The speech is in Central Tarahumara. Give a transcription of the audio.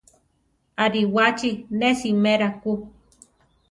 Aríwachi ne simera ku.